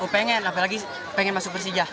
pengen apalagi pengen masuk persija